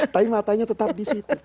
tapi matanya tetap disitu